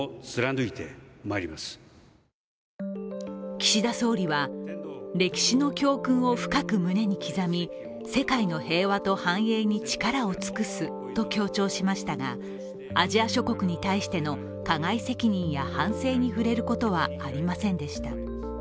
岸田総理は、歴史の教訓を深く胸に刻み世界の平和と繁栄に力を尽くすと強調しましたが、アジア諸国に対しての加害責任や反省に触れることはありませんでした。